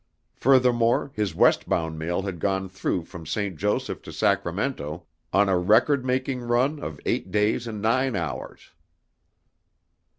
Furthermore, his west bound mail had gone through from St. Joseph to Sacramento on a record making run of eight days and nine hours.